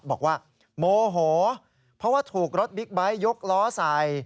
แปลว่าโโหเพราะว่าถูกรถบิ๊กบ้ายยกล้อสาย